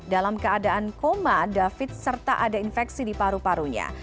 dalam keadaan koma david serta ada infeksi di paru parunya